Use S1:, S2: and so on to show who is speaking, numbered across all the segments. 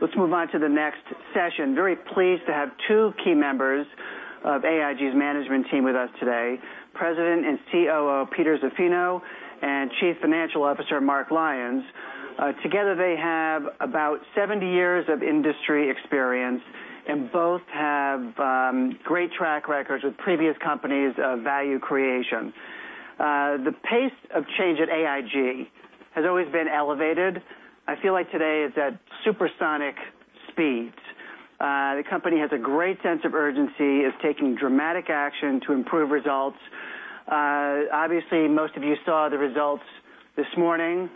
S1: Let's move on to the next session. Very pleased to have two key members of AIG's management team with us today, President and COO, Peter Zaffino, and Chief Financial Officer, Mark Lyons. Together, they have about 70 years of industry experience, and both have great track records with previous companies of value creation. The pace of change at AIG has always been elevated. I feel like today it's at supersonic speeds. The company has a great sense of urgency. It's taking dramatic action to improve results. Obviously, most of you saw the results this morning.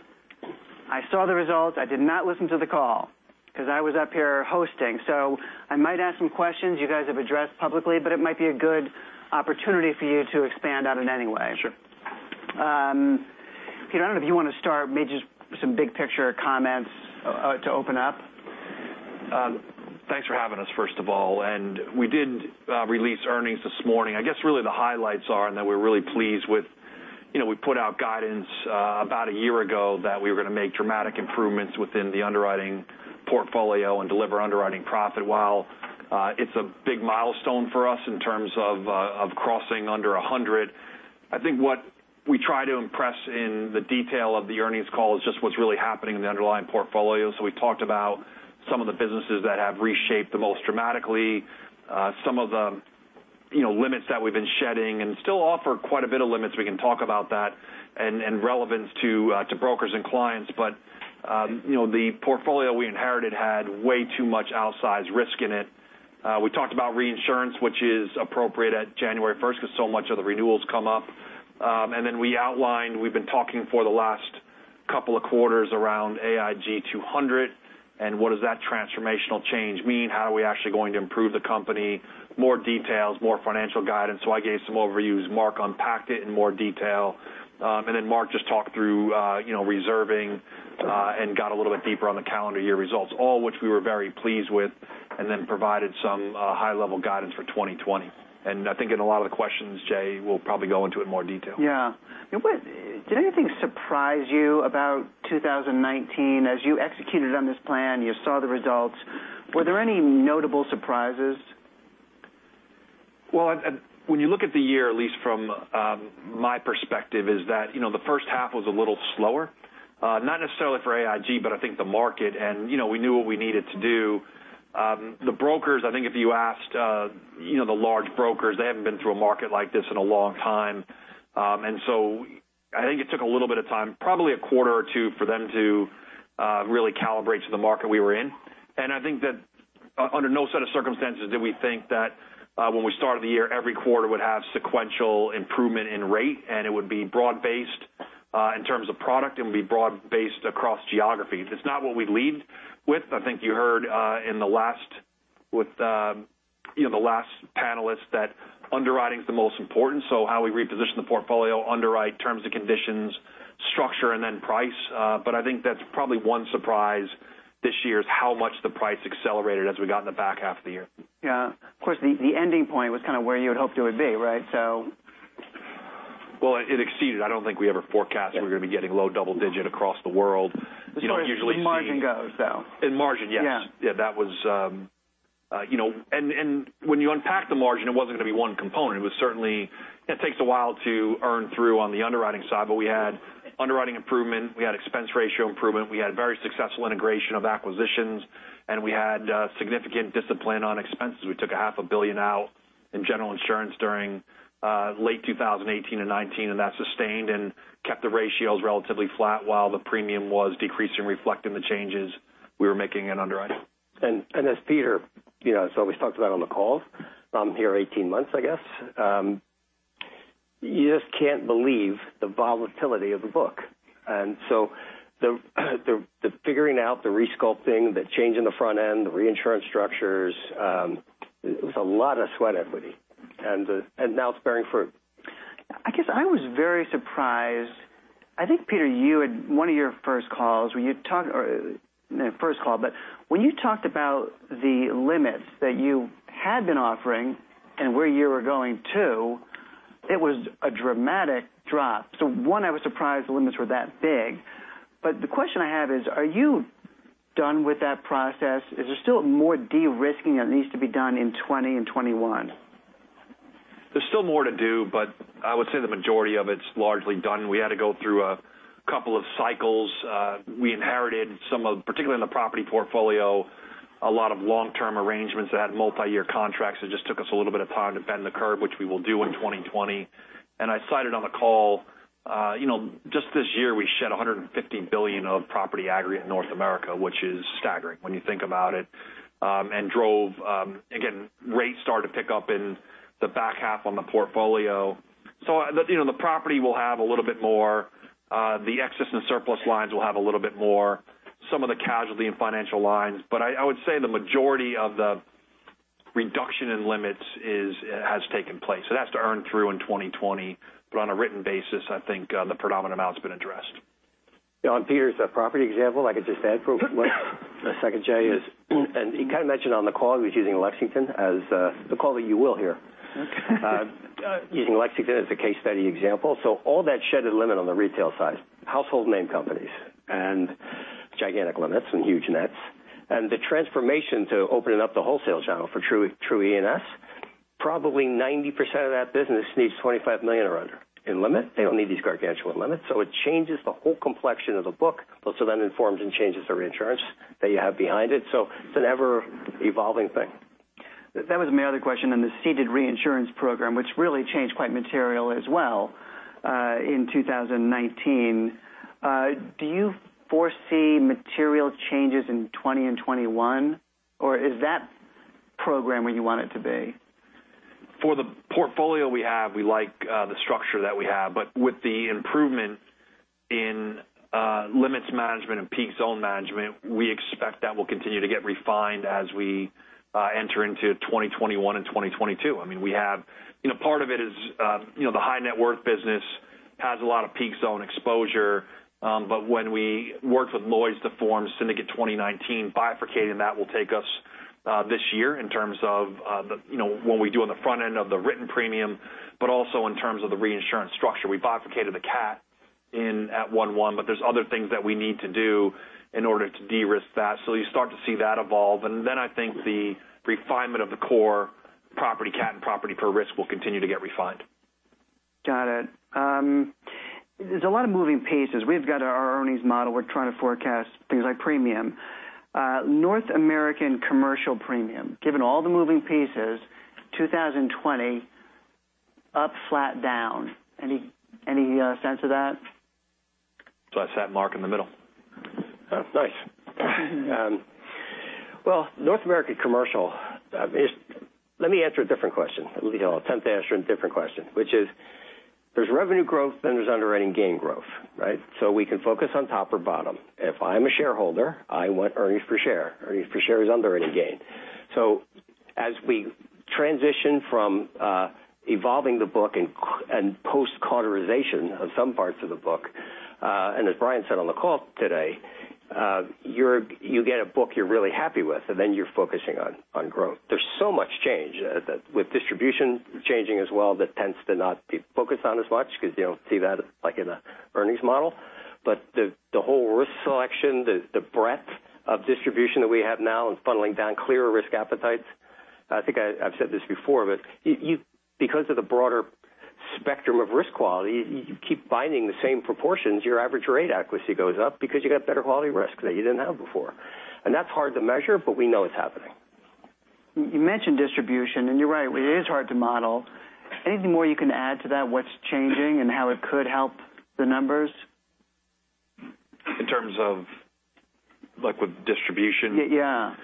S1: I saw the results. I did not listen to the call because I was up here hosting. I might ask some questions you guys have addressed publicly, but it might be a good opportunity for you to expand on it anyway.
S2: Sure.
S1: Peter, I don't know if you want to start, maybe just some big-picture comments to open up.
S2: Thanks for having us, first of all. We did release earnings this morning. I guess really the highlights are, and that we're really pleased with, we put out guidance about one year ago that we were going to make dramatic improvements within the underwriting portfolio and deliver underwriting profit. While it's a big milestone for us in terms of crossing under 100, I think what we try to impress in the detail of the earnings call is just what's really happening in the underlying portfolio. We talked about some of the businesses that have reshaped the most dramatically, some of the limits that we've been shedding, and still offer quite a bit of limits, we can talk about that, and relevance to brokers and clients. The portfolio we inherited had way too much outsized risk in it. We talked about reinsurance, which is appropriate at January 1st because so much of the renewals come up. We outlined, we've been talking for the last couple of quarters around AIG 200, and what does that transformational change mean? How are we actually going to improve the company? More details, more financial guidance. I gave some overviews. Mark unpacked it in more detail. Then Mark just talked through reserving and got a little bit deeper on the calendar year results, all which we were very pleased with, and then provided some high-level guidance for 2020. I think in a lot of the questions, Jay, we'll probably go into it in more detail.
S1: Yeah. Did anything surprise you about 2019? As you executed on this plan, you saw the results, were there any notable surprises?
S2: Well, when you look at the year, at least from my perspective, is that the first half was a little slower. Not necessarily for AIG, but I think the market, and we knew what we needed to do. The brokers, I think if you asked the large brokers, they haven't been through a market like this in a long time. I think it took a little bit of time, probably a quarter or two, for them to really calibrate to the market we were in. I think that under no set of circumstances did we think that when we started the year, every quarter would have sequential improvement in rate, and it would be broad-based in terms of product, it would be broad-based across geographies. It's not what we led with. I think you heard with the last panelist that underwriting is the most important, how we reposition the portfolio, underwrite terms and conditions, structure, and then price. I think that's probably one surprise this year is how much the price accelerated as we got in the back half of the year.
S1: Yeah. Of course, the ending point was kind of where you had hoped it would be, right?
S2: Well, it exceeded. I don't think we ever forecast we were going to be getting low double-digit across the world. You don't usually see.
S1: In margin goes, though.
S2: In margin, yes.
S1: Yeah.
S2: When you unpack the margin, it wasn't going to be one component. It takes a while to earn through on the underwriting side, but we had underwriting improvement, we had expense ratio improvement, we had very successful integration of acquisitions, and we had significant discipline on expenses. We took a half a billion out in General Insurance during late 2018 and 2019, and that sustained and kept the ratios relatively flat while the premium was decreasing, reflecting the changes we were making in underwriting.
S3: As Peter has always talked about on the calls, I'm here 18 months, I guess. You just can't believe the volatility of the book. The figuring out, the resculpting, the change in the front end, the reinsurance structures, it was a lot of sweat equity, and now it's bearing fruit.
S1: I guess I was very surprised. I think, Peter, one of your first calls when you talked about the limits that you had been offering and where you were going to, it was a dramatic drop. One, I was surprised the limits were that big. The question I have is: are you done with that process? Is there still more de-risking that needs to be done in 2020 and 2021?
S2: There's still more to do, but I would say the majority of it's largely done. We had to go through a couple of cycles. We inherited some of, particularly in the property portfolio, a lot of long-term arrangements that had multi-year contracts that just took us a little bit of time to bend the curve, which we will do in 2020. I cited on the call just this year we shed $150 billion of property aggregate in North America, which is staggering when you think about it, and drove, again, rates started to pick up in the back half on the portfolio. The property will have a little bit more. The excess and surplus lines will have a little bit more. Some of the casualty and financial lines. I would say the majority of the reduction in limits has taken place. It has to earn through in 2020. On a written basis, I think the predominant amount's been addressed.
S3: John Pearce, a property example I could just add. The second, Jay, is, you kind of mentioned on the call, I was using Lexington as the call that you will hear.
S1: Okay.
S3: Using Lexington as the case study example. All that shedded limit on the retail side, household name companies, and gigantic limits and huge nets, and the transformation to opening up the wholesale channel for true E&S, probably 90% of that business needs $25 million or under in limit. They don't need these gargantuan limits, so it changes the whole complexion of the book. Then informs and changes the reinsurance that you have behind it. It's an ever-evolving thing.
S1: That was my other question on the ceded reinsurance program, which really changed quite material as well, in 2019. Do you foresee material changes in 2020 and 2021, or is that program where you want it to be?
S2: For the portfolio we have, we like the structure that we have, with the improvement in limits management and peak zone management, we expect that will continue to get refined as we enter into 2021 and 2022. Part of it is the high net worth business has a lot of peak zone exposure. When we worked with Lloyd's to form Syndicate 2019, bifurcating that will take us this year in terms of what we do on the front end of the written premium, also in terms of the reinsurance structure. We bifurcated the CAT at 1/1, there's other things that we need to do in order to de-risk that. You start to see that evolve. Then I think the refinement of the core property CAT and property per risk will continue to get refined.
S1: Got it. There's a lot of moving pieces. We've got our earnings model. We're trying to forecast things like premium. North American commercial premium, given all the moving pieces, 2020, up, flat, down. Any sense of that?
S2: I sat Mark in the middle.
S3: Oh, nice. North American commercial Let me answer a different question. Let me attempt to answer a different question, which is, there's revenue growth, then there's underwriting gain growth, right? We can focus on top or bottom. If I'm a shareholder, I want earnings per share. Earnings per share is underwriting gain. As we transition from evolving the book and post-cauterization of some parts of the book, as Brian said on the call today, you get a book you're really happy with, then you're focusing on growth. There's so much change with distribution changing as well, that tends to not be focused on as much because you don't see that in an earnings model. The whole risk selection, the breadth of distribution that we have now and funneling down clearer risk appetites. I think I've said this before, because of the broader spectrum of risk quality, you keep binding the same proportions, your average rate accuracy goes up because you got better quality risk that you didn't have before. That's hard to measure, but we know it's happening.
S1: You mentioned distribution, you're right, it is hard to model. Anything more you can add to that, what's changing and how it could help the numbers?
S2: In terms of like with distribution?
S1: Yeah.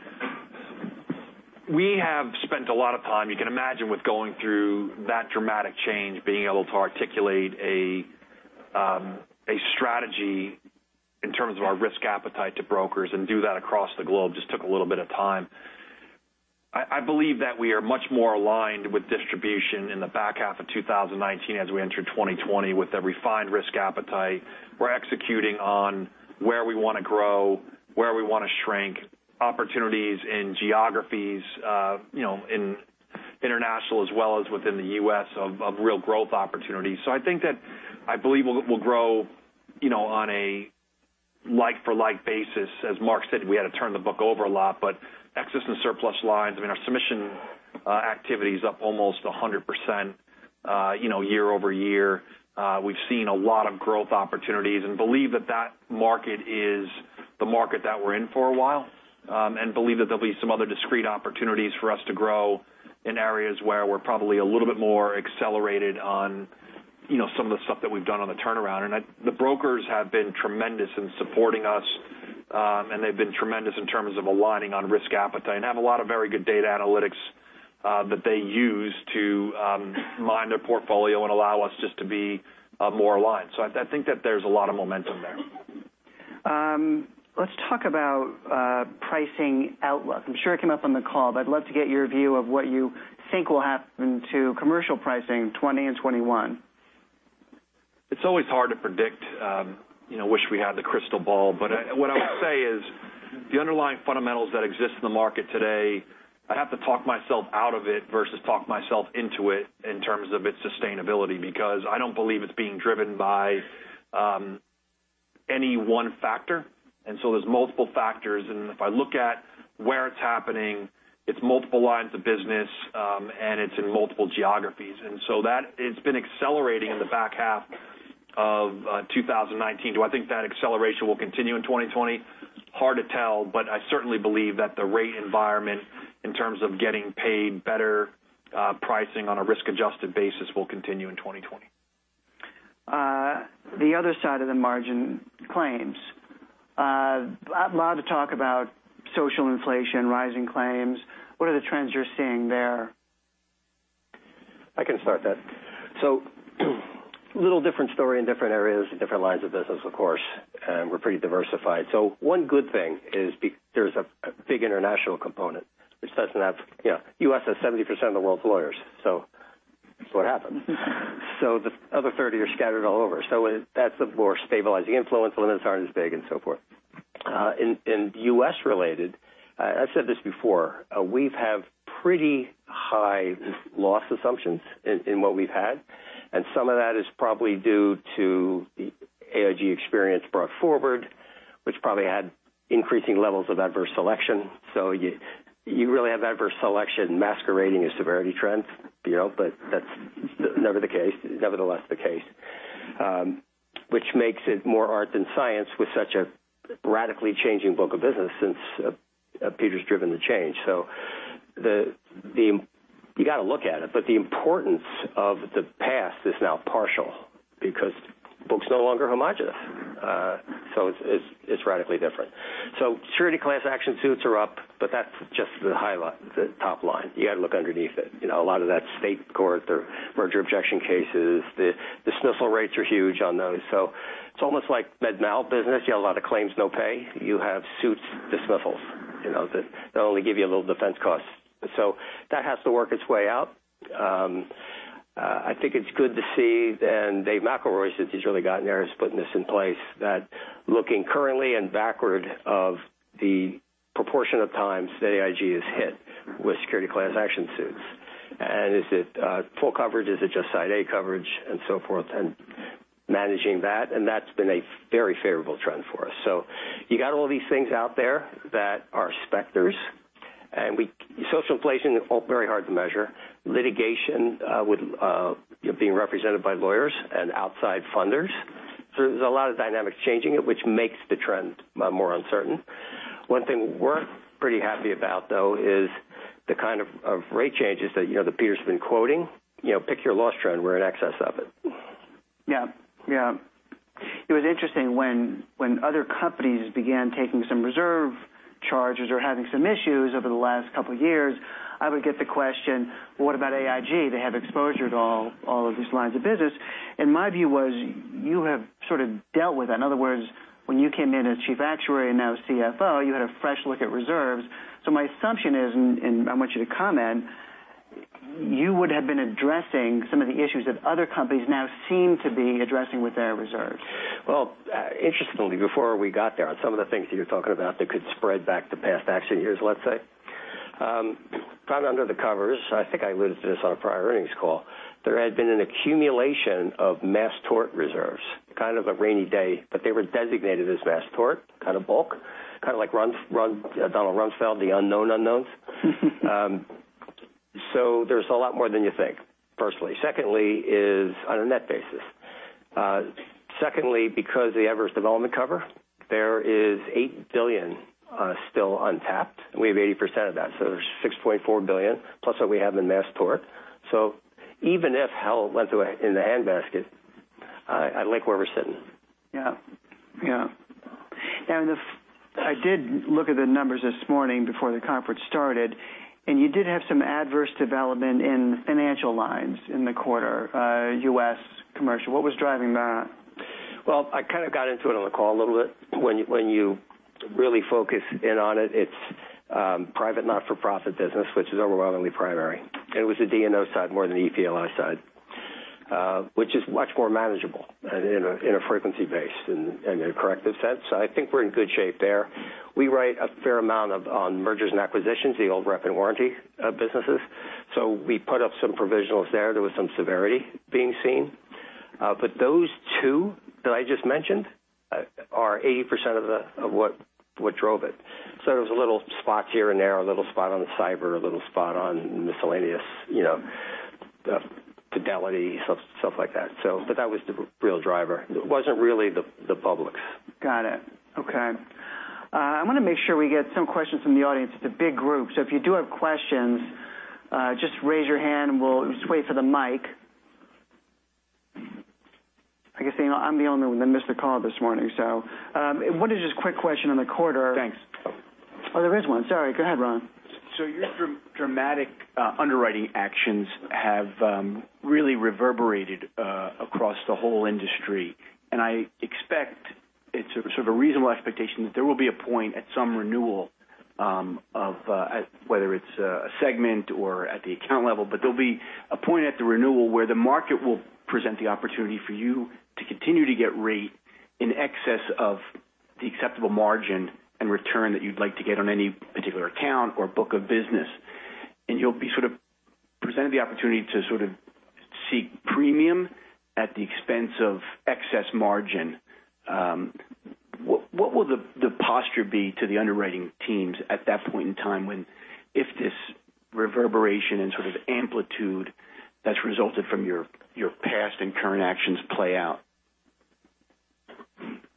S2: We have spent a lot of time, you can imagine, with going through that dramatic change, being able to articulate a strategy in terms of our risk appetite to brokers and do that across the globe just took a little bit of time. I believe that we are much more aligned with distribution in the back half of 2019 as we enter 2020 with a refined risk appetite. We're executing on where we want to grow, where we want to shrink, opportunities in geographies, in international as well as within the U.S. of real growth opportunities. I think that I believe we'll grow on a like for like basis. As Mark said, we had to turn the book over a lot, excess and surplus lines, I mean, our submission activity's up almost 100% year-over-year. We've seen a lot of growth opportunities and believe that that market is the market that we're in for a while, and believe that there'll be some other discrete opportunities for us to grow in areas where we're probably a little bit more accelerated on some of the stuff that we've done on the turnaround. The brokers have been tremendous in supporting us, and they've been tremendous in terms of aligning on risk appetite and have a lot of very good data analytics that they use to mine their portfolio and allow us just to be more aligned. I think that there's a lot of momentum there.
S1: Let's talk about pricing outlook. I'm sure it came up on the call, but I'd love to get your view of what you think will happen to commercial pricing in 2020 and 2021.
S2: It's always hard to predict, wish we had the crystal ball, but what I would say is the underlying fundamentals that exist in the market today, I have to talk myself out of it versus talk myself into it in terms of its sustainability, because I don't believe it's being driven by any one factor, and so there's multiple factors. If I look at where it's happening, it's multiple lines of business, and it's in multiple geographies. That, it's been accelerating in the back half of 2019. Do I think that acceleration will continue in 2020? Hard to tell, but I certainly believe that the rate environment in terms of getting paid better pricing on a risk-adjusted basis will continue in 2020.
S1: The other side of the margin, claims. A lot of talk about social inflation, rising claims. What are the trends you're seeing there?
S3: I can start that. A little different story in different areas and different lines of business, of course. We're pretty diversified. One good thing is there's a big international component, which doesn't have U.S. has 70% of the world's lawyers. That's what happens. The other 30 are scattered all over. That's a more stabilizing influence. Limits aren't as big and so forth. In U.S. related, I said this before, we have pretty high loss assumptions in what we've had, and some of that is probably due to the AIG experience brought forward, which probably had increasing levels of adverse selection. You really have adverse selection masquerading as severity trends, but that's never the case, nevertheless the case, which makes it more art than science with such a radically changing book of business since Peter's driven the change. You got to look at it, but the importance of the past is now partial because book's no longer homogenous. It's radically different. Securities class action suits are up, but that's just the highlight, the top line. You got to look underneath it. A lot of that state court or merger objection cases, the dismissal rates are huge on those. It's almost like medmal business. You have a lot of claims, no pay. You have suits dismissals that only give you a little defense cost. That has to work its way out. I think it's good to see, David McElroy, since he's really gotten there, is putting this in place, that looking currently and backward of the proportion of times that AIG is hit with securities class action suits, and is it full coverage, is it just Side A coverage and so forth, and managing that, and that's been a very favorable trend for us. You got all these things out there that are specters, and social inflation, very hard to measure. Litigation with being represented by lawyers and outside funders. There's a lot of dynamics changing it, which makes the trend more uncertain. One thing we're pretty happy about, though, is the kind of rate changes that Peter's been quoting. Pick your loss trend, we're in excess of it.
S1: Yeah. It was interesting when other companies began taking some reserve charges or having some issues over the last couple of years, I would get the question: Well, what about AIG? They have exposure to all of these lines of business. My view was you have sort of dealt with that. In other words, when you came in as Chief Actuary and now CFO, you had a fresh look at reserves. My assumption is, and I want you to comment, you would have been addressing some of the issues that other companies now seem to be addressing with their reserves.
S3: Well, interestingly, before we got there, on some of the things you're talking about that could spread back to past accident years, let's say, kind of under the covers, I think I alluded to this on a prior earnings call, there had been an accumulation of mass tort reserves, kind of a rainy day, but they were designated as mass tort, kind of bulk, kind of like Donald Rumsfeld, the unknown unknowns. There's a lot more than you think, firstly. Secondly is on a net basis. Secondly, because the Adverse Development Cover, there is $8 billion still untapped, and we have 80% of that. There's $6.4 billion, plus what we have in mass tort. Even if hell went away in the handbasket, I like where we're sitting.
S1: Yeah. I did look at the numbers this morning before the conference started, and you did have some adverse development in financial lines in the quarter, U.S. commercial. What was driving that?
S3: Well, I kind of got into it on the call a little bit. When you really focus in on it's private, not-for-profit business, which is overwhelmingly primary. It was the D&O side more than the EPLI side, which is much more manageable in a frequency base, in a corrective sense. I think we're in good shape there. We write a fair amount on mergers and acquisitions, the old Representations and Warranties businesses. We put up some provisionals there. There was some severity being seen. Those two that I just mentioned are 80% of what drove it. There was a little spot here and there, a little spot on the cyber, a little spot on miscellaneous, fidelity, stuff like that. That was the real driver. It wasn't really the publics.
S1: Got it. Okay. I want to make sure we get some questions from the audience. It's a big group, if you do have questions, just raise your hand and we'll just wait for the mic. I guess I'm the only one that missed the call this morning. Wanted to just quick question on the quarter.
S3: Thanks.
S1: Sorry, go ahead, Ron.
S4: Your dramatic underwriting actions have really reverberated across the whole industry, and I expect it's sort of a reasonable expectation that there will be a point at some renewal of, whether it's a segment or at the account level, but there'll be a point at the renewal where the market will present the opportunity for you to continue to get rate in excess of the acceptable margin and return that you'd like to get on any particular account or book of business, and you'll be sort of presented the opportunity to sort of seek premium at the expense of excess margin. What will the posture be to the underwriting teams at that point in time when, if this reverberation and sort of amplitude that's resulted from your past and current actions play out?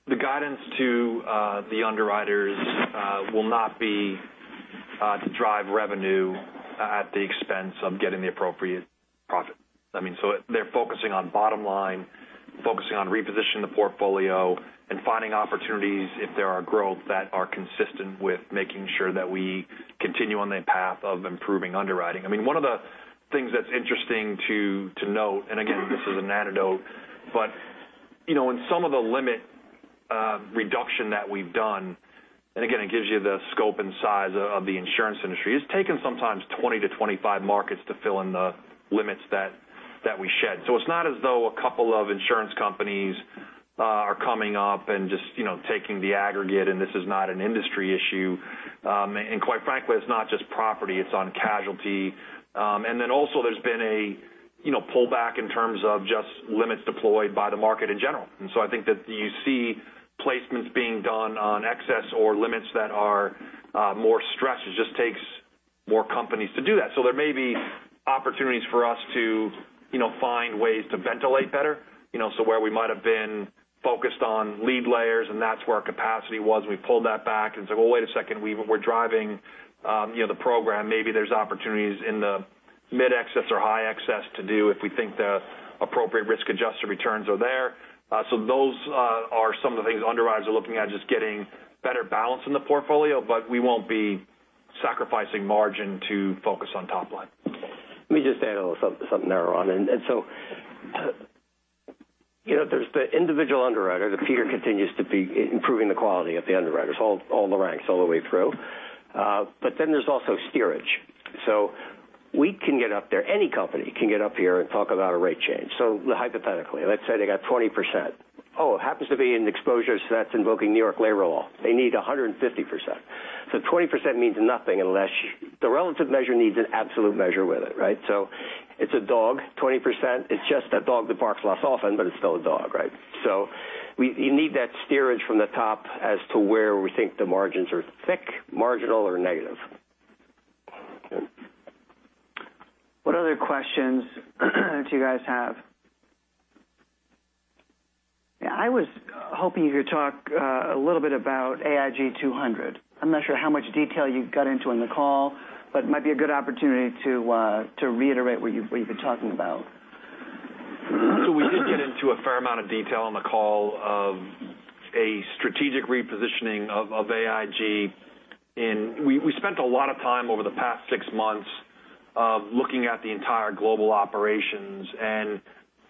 S3: The guidance to the underwriters will not be to drive revenue at the expense of getting the appropriate profit. They're focusing on bottom line, focusing on repositioning the portfolio and finding opportunities if there are growth that are consistent with making sure that we continue on the path of improving underwriting. One of the things that's interesting to note, and again, this is an anecdote, but in some of the limit reduction that we've done, and again, it gives you the scope and size of the insurance industry. It's taken sometimes 20 to 25 markets to fill in the limits that we shed. It's not as though a couple of insurance companies are coming up and just taking the aggregate, and this is not an industry issue. Quite frankly, it's not just property, it's on casualty. Then also, there's been a pullback in terms of just limits deployed by the market in general. I think that you see placements being done on excess or limits that are more stretched. It just takes more companies to do that. There may be opportunities for us to find ways to ventilate better. Where we might have been focused on lead layers, and that's where our capacity was, we pulled that back and said, "Well, wait a second. We're driving the program. Maybe there's opportunities in the mid-excess or high excess to do if we think the appropriate risk-adjusted returns are there. Those are some of the things underwriters are looking at, just getting better balance in the portfolio, but we won't be sacrificing margin to focus on top line. Let me just add a little something there, Ron. There's the individual underwriter. Peter continues to be improving the quality of the underwriters, all the ranks, all the way through. There's also steerage. We can get up there, any company can get up here and talk about a rate change. Hypothetically, let's say they got 20%. Oh, it happens to be an exposure set invoking New York Labor Law. They need 150%. 20% means nothing unless the relative measure needs an absolute measure with it, right? It's a dog, 20%. It's just a dog that barks less often, but it's still a dog, right? You need that steerage from the top as to where we think the margins are thick, marginal, or negative.
S2: What other questions do you guys have?
S1: Yeah, I was hoping you could talk a little bit about AIG 200. I'm not sure how much detail you got into on the call, but it might be a good opportunity to reiterate what you've been talking about.
S2: We did get into a fair amount of detail on the call of a strategic repositioning of AIG. We spent a lot of time over the past 6 months of looking at the entire global operations and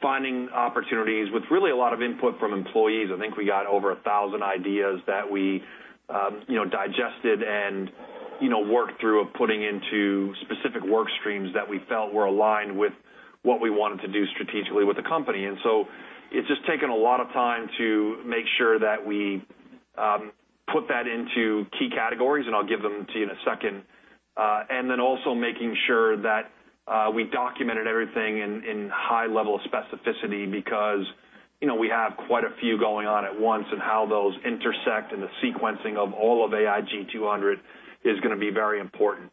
S2: finding opportunities with really a lot of input from employees. I think we got over 1,000 ideas that we digested and worked through of putting into specific work streams that we felt were aligned with what we wanted to do strategically with the company. It's just taken a lot of time to make sure that we put that into key categories, and I'll give them to you in a second. Also making sure that we documented everything in high level of specificity because we have quite a few going on at once and how those intersect and the sequencing of all of AIG 200 is going to be very important.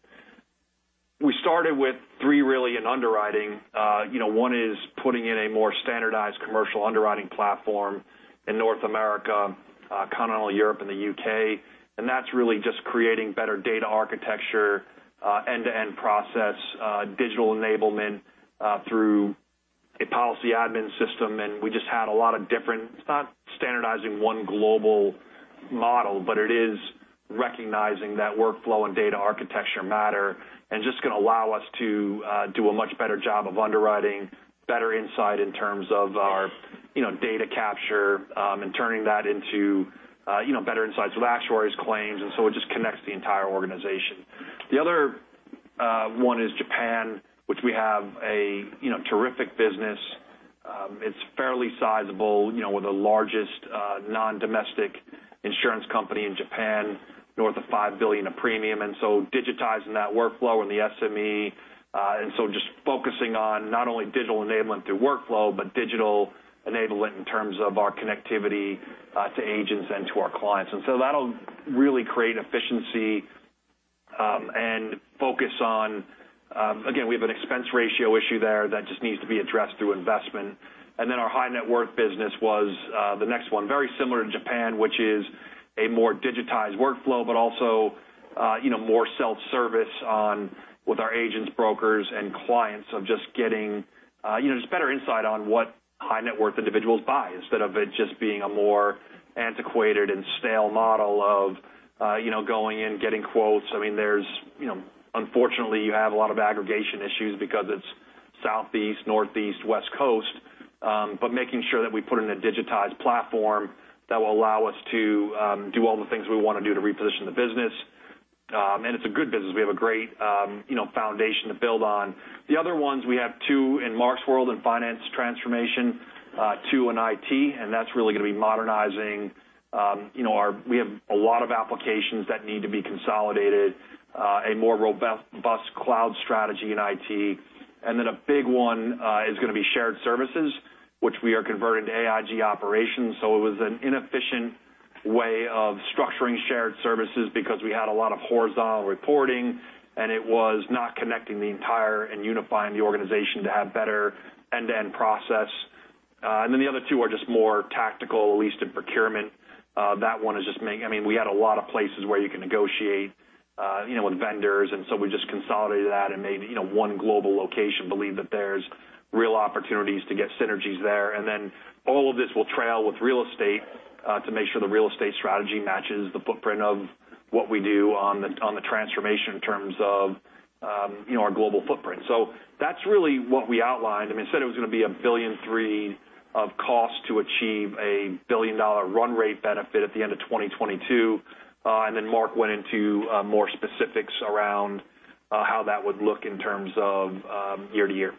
S2: We started with three really in underwriting. One is putting in a more standardized commercial underwriting platform in North America, continental Europe, and the U.K. That's really just creating better data architecture, end-to-end process, digital enablement through a policy admin system. It's not standardizing one global model, but it is recognizing that workflow and data architecture matter, just going to allow us to do a much better job of underwriting, better insight in terms of our data capture, and turning that into better insights with actuaries claims. It just connects the entire organization. The other one is Japan, which we have a terrific business. It's fairly sizable, we're the largest non-domestic insurance company in Japan, north of $5 billion of premium. Digitizing that workflow and the SME, just focusing on not only digital enablement through workflow, but digital enablement in terms of our connectivity to agents and to our clients. That'll really create efficiency, and focus on Again, we have an expense ratio issue there that just needs to be addressed through investment. Our high net worth business was the next one, very similar to Japan, which is a more digitized workflow, but also more self-service with our agents, brokers, and clients of just getting just better insight on what high net worth individuals buy, instead of it just being a more antiquated and stale model of going in, getting quotes. Unfortunately, you have a lot of aggregation issues because it's Southeast, Northeast, West Coast. Making sure that we put in a digitized platform that will allow us to do all the things we want to do to reposition the business. It's a good business. We have a great foundation to build on. The other ones, we have two in Mark's world in finance transformation, two in IT. We have a lot of applications that need to be consolidated, a more robust cloud strategy in IT. A big one is going to be shared services, which we are converting to AIG operations. It was an inefficient way of structuring shared services because we had a lot of horizontal reporting, it was not connecting the entire and unifying the organization to have better end-to-end process. The other two are just more tactical, at least in procurement. We had a lot of places where you can negotiate with vendors, we just consolidated that and made one global location believe that there's real opportunities to get synergies there. All of this will trail with real estate, to make sure the real estate strategy matches the footprint of what we do on the transformation in terms of our global footprint. That's really what we outlined. We said it was going to be a $1.3 billion of cost to achieve a $1 billion run rate benefit at the end of 2022. Mark went into more specifics around how that would look in terms of year-over-year.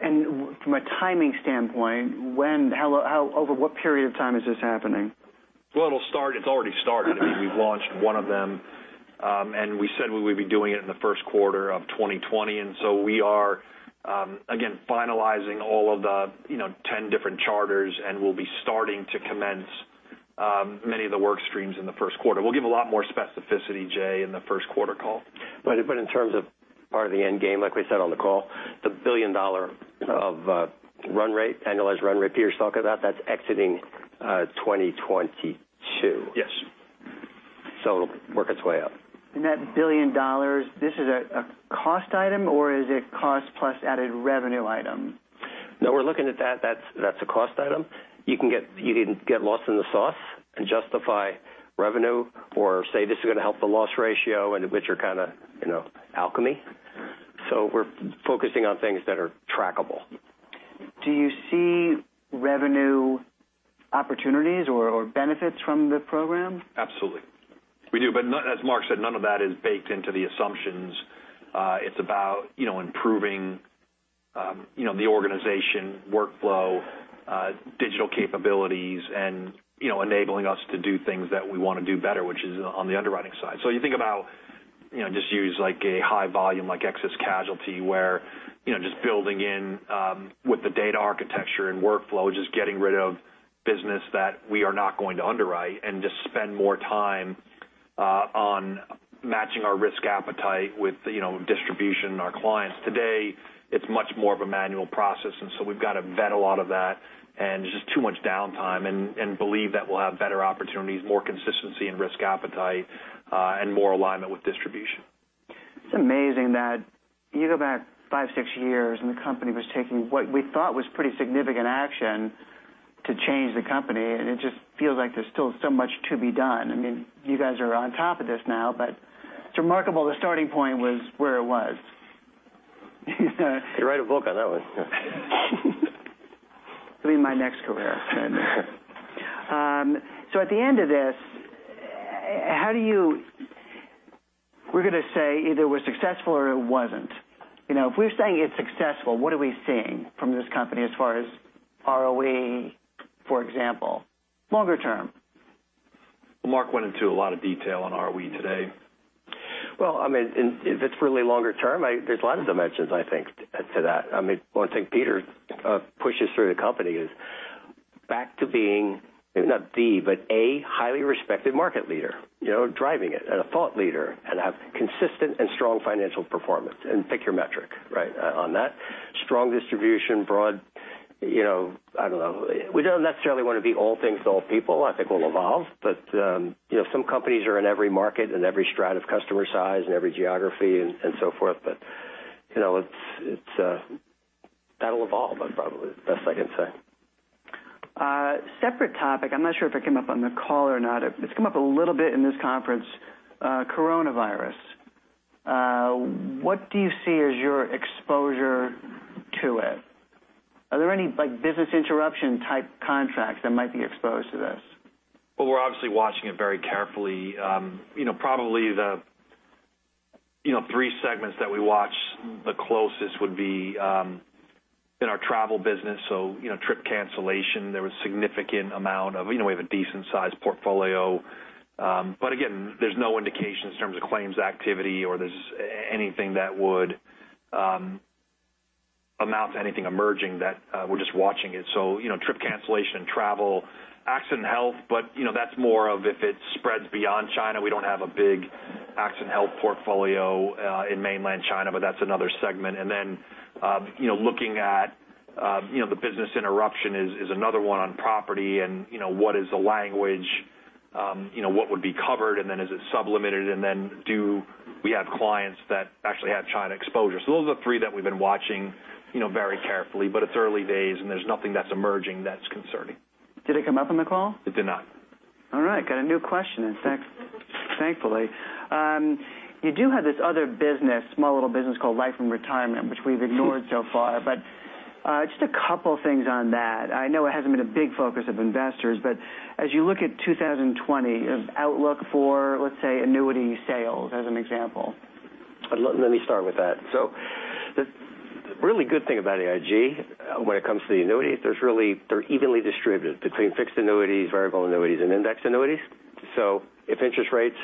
S1: From a timing standpoint, over what period of time is this happening?
S2: Well, it's already started. We've launched one of them, we said we would be doing it in the first quarter of 2020. We are, again, finalizing all of the 10 different charters, we'll be starting to commence many of the work streams in the first quarter. We'll give a lot more specificity, Jay, in the first quarter call.
S3: In terms of part of the end game, like we said on the call, the $1 billion of annualized run rate Peter's talking about, that's exiting 2022.
S2: Yes.
S3: it'll work its way up.
S1: That $1 billion, this is a cost item, or is it cost plus added revenue item?
S3: No, we're looking at that. That's a cost item. You can get lost in the sauce and justify revenue or say this is going to help the loss ratio and which are kind of alchemy. We're focusing on things that are trackable.
S1: Do you see revenue opportunities or benefits from the program?
S2: Absolutely. We do. As Mark said, none of that is baked into the assumptions. It's about improving the organization workflow, digital capabilities, and enabling us to do things that we want to do better, which is on the underwriting side. You think about just use like a high volume like Excess Casualty, where just building in with the data architecture and workflow, just getting rid of business that we are not going to underwrite and just spend more time on matching our risk appetite with distribution our clients. Today, it's much more of a manual process, and so we've got to vet a lot of that, and there's just too much downtime and believe that we'll have better opportunities, more consistency and risk appetite, and more alignment with distribution.
S1: It's amazing that you go back five, six years, and the company was taking what we thought was pretty significant action to change the company, and it just feels like there's still so much to be done. You guys are on top of this now, but it's remarkable the starting point was where it was.
S3: You could write a book on that one.
S1: It'll be my next career. At the end of this, we're going to say either it was successful or it wasn't. If we're saying it's successful, what are we seeing from this company as far as ROE, for example, longer term?
S2: Mark went into a lot of detail on ROE today.
S3: If it's really longer term, there's a lot of dimensions, I think, to that. One thing Peter pushes through the company is back to being maybe not the, but a highly respected market leader driving it and a thought leader and have consistent and strong financial performance, and pick your metric right on that. Strong distribution, broad, I don't know. We don't necessarily want to be all things to all people. I think we'll evolve, some companies are in every market and every strata of customer size and every geography and so forth, that'll evolve probably. Best I can say.
S1: Separate topic. I'm not sure if it came up on the call or not. It's come up a little bit in this conference. Coronavirus. What do you see as your exposure to it? Are there any business interruption type contracts that might be exposed to this?
S2: We're obviously watching it very carefully. Probably the 3 segments that we watch the closest would be in our travel business. Trip cancellation, there was significant amount of, we have a decent-sized portfolio. Again, there's no indication in terms of claims activity or there's anything that would amount to anything emerging that we're just watching it. Trip cancellation and travel, Accident and Health, but that's more of if it spreads beyond China. We don't have a big Accident and Health portfolio in mainland China, but that's another segment. Looking at the business interruption is another one on property and what is the language, what would be covered, and then is it sub-limited, and then do we have clients that actually have China exposure. Those are the 3 that we've been watching very carefully. It's early days, and there's nothing that's emerging that's concerning.
S1: Did it come up on the call?
S2: It did not.
S1: All right. Got a new question, thankfully. You do have this other business, small little business called Life and Retirement, which we've ignored so far, but just a couple of things on that. I know it hasn't been a big focus of investors, but as you look at 2020, outlook for, let's say, annuity sales as an example.
S3: Let me start with that. The really good thing about AIG when it comes to the annuities, they're evenly distributed between fixed annuities, variable annuities, and index annuities. If interest rates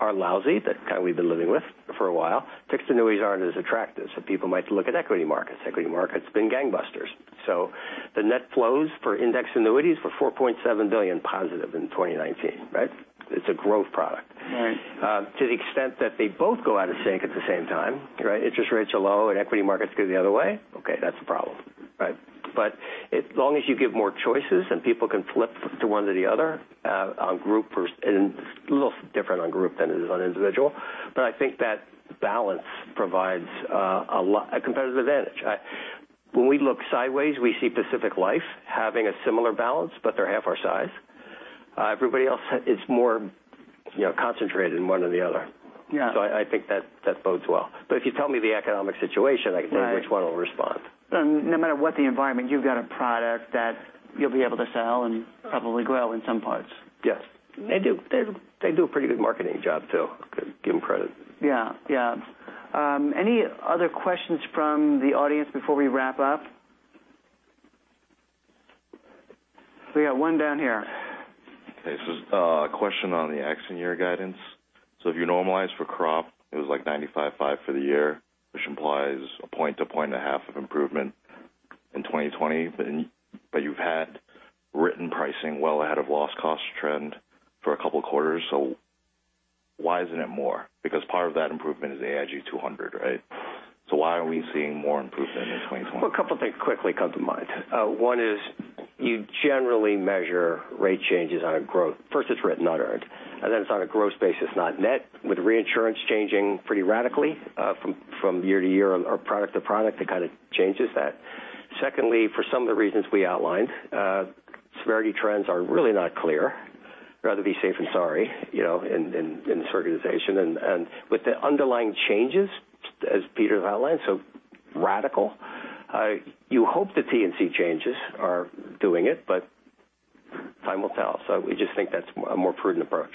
S3: are lousy, the kind we've been living with for a while, fixed annuities aren't as attractive. People might look at equity markets. Equity market's been gangbusters. The net flows for index annuities were $4.7 billion positive in 2019, right? It's a growth product.
S1: Right.
S3: To the extent that they both go out of sync at the same time, interest rates are low and equity markets go the other way, okay, that's a problem. As long as you give more choices and people can flip to one or the other on group first, and a little different on group than it is on individual. I think that balance provides a competitive advantage. When we look sideways, we see Pacific Life having a similar balance, but they're half our size. Everybody else, it's more concentrated in one or the other.
S1: Yeah.
S3: I think that bodes well. If you tell me the economic situation, I can tell you which one will respond.
S1: No matter what the environment, you've got a product that you'll be able to sell and probably grow in some parts.
S3: Yes. They do a pretty good marketing job, too. Give them credit.
S1: Yeah. Any other questions from the audience before we wrap up? We got one down here.
S5: Okay, a question on the accident year guidance. If you normalize for crop, it was like 95.5 for the year, which implies a point to point and a half of improvement in 2020. You've had written pricing well ahead of loss cost trend for a couple of quarters, why isn't it more? Part of that improvement is AIG 200, right? Why aren't we seeing more improvement in 2020?
S3: A couple of things quickly come to mind. One is you generally measure rate changes on a growth. First, it's written, not earned. Then it's on a gross basis, not net. With reinsurance changing pretty radically from year to year or product to product, it kind of changes that. Secondly, for some of the reasons we outlined, severity trends are really not clear. Rather be safe than sorry in this organization. With the underlying changes, as Peter outlined, so radical, you hope the P&C changes are doing it, but time will tell. We just think that's a more prudent approach.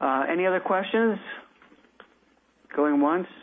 S1: Any other questions? Going once.